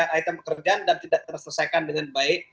kita bekerja dan tidak terselesaikan dengan baik